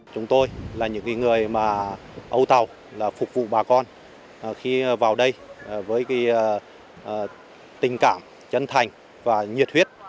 chúng tôi là những người mà âu tàu phục vụ bà con khi vào đây với tình cảm chân thành và nhiệt huyết